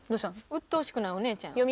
うっとうしくないお姉ちゃんよ。